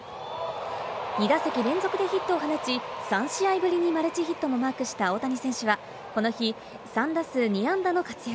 ２打席連続でヒットを放ち、３試合ぶりにマルチヒットをマークした大谷選手は、この日、３打数２安打の活躍。